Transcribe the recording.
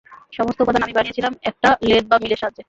সমস্ত উপাদান আমি বানিয়েছিলাম একটা লেদ বা মিলের সাহায্যে।